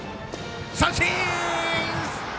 三振！